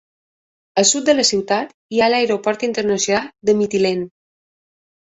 Al sud de la ciutat, hi ha l'aeroport internacional de Mitilene.